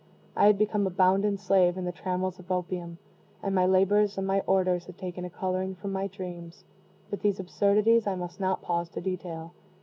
I had become a bounden slave in the trammels of opium, and my labors and my orders had taken a coloring from my dreams. But these absurdities I must not pause to detail.